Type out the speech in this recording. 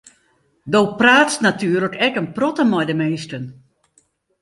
Do praatst natuerlik ek in protte mei de minsken.